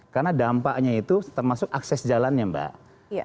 karena dampaknya itu termasuk akses jalannya mbak